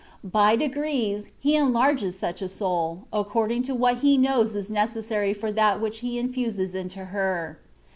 By degrees He enlarges such a soul, according to what He knows is neces sary for that which He infuses into her.